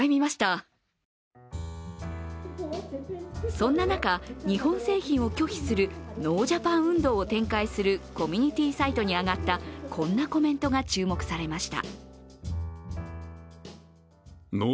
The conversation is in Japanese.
そんな中、日本製品を拒否するノージャパン運動を展開するコミュニティーサイトに上がったこんなコメントが注目されました。